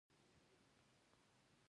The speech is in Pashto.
ستوني غرونه د افغانستان د ملي هویت نښه ده.